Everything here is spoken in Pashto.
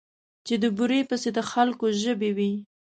چې د بورې پسې د خلکو ژبې وې.